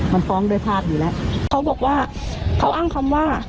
มันฟ้องด้วยภาพอยู่แล้วเขาบอกว่าเขาอ้างคำว่า